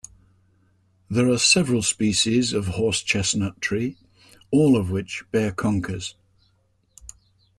There are several species of horse chestnut tree, all of which bear conkers